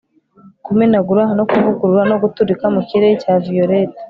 Kumenagura no kuvugurura no guturika mukirere cya violet